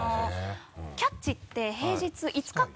「キャッチ！」って平日５日間